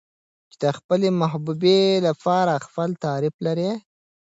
چې د خپلې محبوبې لپاره خپل تعريف لري.